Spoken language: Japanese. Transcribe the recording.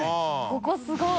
ここすごい。